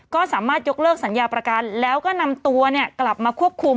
ก็สามารถยกเลิกสัญญาประกันแล้วก็นำตัวกลับมาควบคุม